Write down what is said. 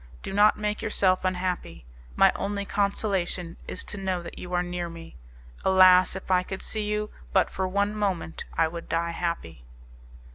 Do not make yourself unhappy. My only consolation is to know that you are near me. Alas! if I could see you but for one moment I would die happy."